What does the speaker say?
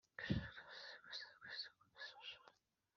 abakozi cyangwa abakoresha barihe